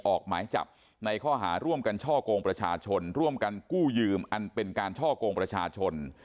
ออกหมายจับในข้อหาร่วมกันช่อกงประชาชนร่วมกันกู้ยืมอันเป็นการช่อกงประชาชน